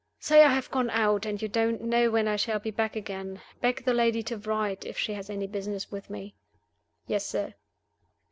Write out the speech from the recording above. "Say I have gone out, and you don't know when I shall be back again. Beg the lady to write, if she has any business with me." "Yes, sir."